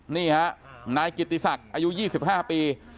นี่ฮะนายกิติศักดิ์อายุ๒๕ปี